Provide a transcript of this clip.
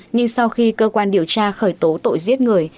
nhưng sau khi cơ quan điều tra khởi tố tội giết người